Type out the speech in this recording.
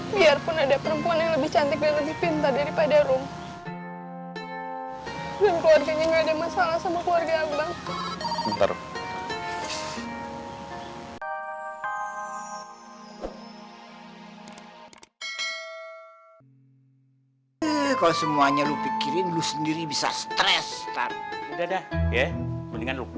biarpun ada perempuan yang lebih cantik dan lebih pintar daripada room